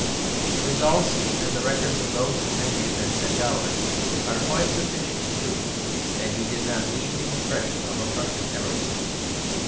The results and the records of those who met him in such hours are quite sufficient to prove that he did not leave the impression of a Prussian arrogance.